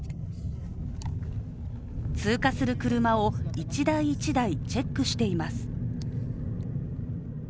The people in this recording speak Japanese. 通過する車を１台１台チェックしています。